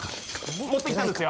持ってきたんですよ。